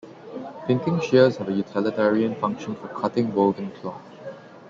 Pinking shears have a utilitarian function for cutting woven cloth.